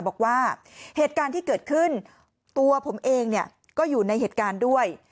บอกว่าเหตุการณ์ที่เกิดขึ้นตัวผมเองเนี่ยก็อยู่ในเหตุการณ์ด้วย